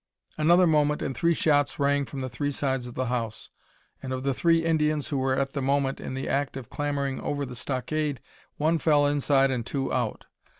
Another moment and three shots rang from the three sides of the house, and of the three Indians who were at the moment in the act of clambering over the stockade, one fell inside and two out.